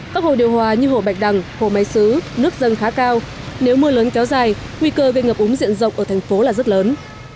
các hồ điều hòa như hồ bạch đằng hồ máy xứ nước dâng khá cao nếu mưa lớn kéo dài nguy cơ gây ngập úng diện rộng ở thành phố là rất lớn